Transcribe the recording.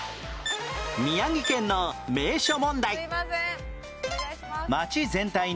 宮城県の名所問題